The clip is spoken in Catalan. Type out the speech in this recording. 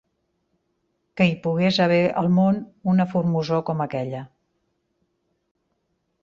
...que hi pogués haver al món una formosor com aquella.